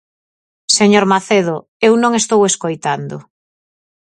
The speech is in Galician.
Señor Macedo, eu non estou escoitando.